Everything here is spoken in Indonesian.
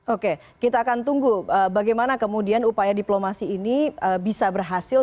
oke kita akan tunggu bagaimana kemudian upaya diplomasi ini bisa berhasil